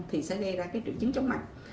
thì sẽ gây ra triệu chứng chóng mặt